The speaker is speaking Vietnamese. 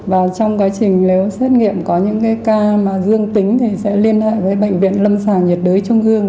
và trong quá trình nếu xét nghiệm có những cái ca mà dương tính thì sẽ liên hệ với bệnh viện lâm sàng nhiệt đới trung ương